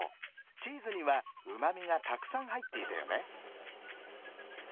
チーズにはうまみがたくさんはいっていたよね。